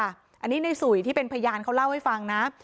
อันนี้ในสุยที่เป็นพยานเขาเล่าให้ฟังนะ